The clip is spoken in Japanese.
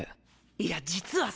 いや実はさ！